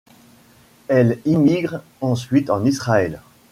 Elle émigre ensuite en Israël.